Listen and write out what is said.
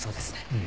うん。